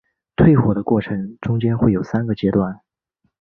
退火过程中间会有三个阶段。